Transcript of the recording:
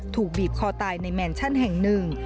ถูกบีบคอตายในแมนชั่นแห่งหนึ่ง